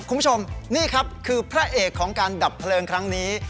คุณผู้ชมนี่ครับคือพระเอกของการดับเพลิงครั้งนี้